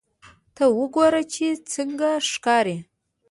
ته وګوره چې څنګه ښکاري